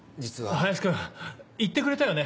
林君言ってくれたよね？